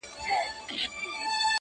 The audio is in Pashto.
شمع ده چي مړه سي رڼا نه لري!!